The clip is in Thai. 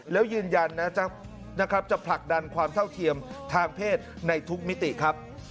แล้วยืนยันนะครับจะผลักดันความเท่าเทียมทางเพศในทุกมิติครับ